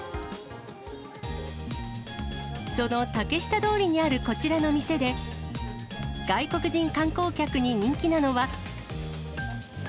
その竹下通りにあるこちらの店で、外国人観光客に人気なのは。